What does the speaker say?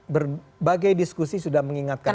berbagai diskusi sudah mengingatkan